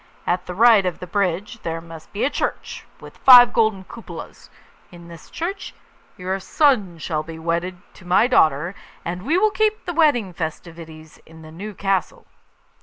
At the right of the bridge there must be a church, with five golden cupolas; in this church your son shall be wedded to my daughter, and we will keep the wedding festivities in the new castle.